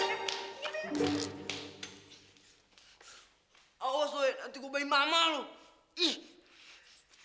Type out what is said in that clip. ih kalian tuh kecilin banget sih